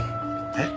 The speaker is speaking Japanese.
えっ？